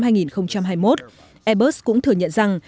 airbus cũng thừa nhận rằng